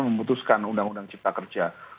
memutuskan undang undang cipta kerja